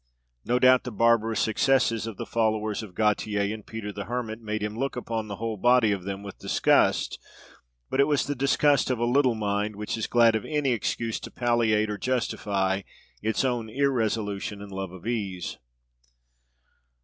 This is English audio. No doubt the barbarous excesses of the followers of Gautier and Peter the Hermit made him look upon the whole body of them with disgust, but it was the disgust of a little mind, which is glad of any excuse to palliate or justify its own irresolution and love of ease.